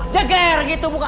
jagar gitu buka